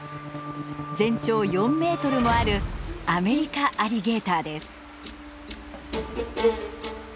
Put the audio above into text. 全長４メートルもあるアメリカアリゲーターです。